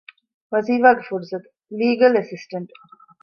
ވަޒިފާގެ ފުރުސަތު - ލީގަލް އެސިސްޓަންޓް